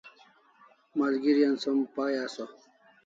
Malgeri an som pai asaw